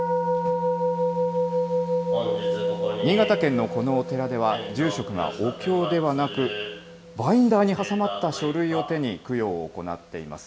新潟県のこのお寺では、住職がお経ではなく、バインダーに挟まった書類を手に、供養を行っています。